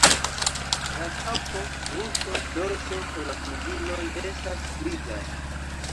La kapo, brusto, dorso kaj la flugiloj estas grizaj.